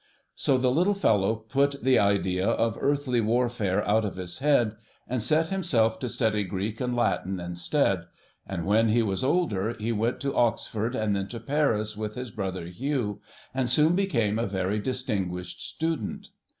So the little fellow put the idea of earthly warfare out of his head, and set himself to study Greek and Latin instead, and when he was older he went to Oxford, and then to Paris with his brother Hugh, and soon became a very distinguished student.